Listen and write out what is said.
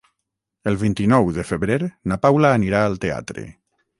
El vint-i-nou de febrer na Paula anirà al teatre.